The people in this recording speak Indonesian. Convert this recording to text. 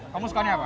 kamu sukanya apa